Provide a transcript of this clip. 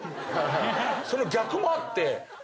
それ逆もあって。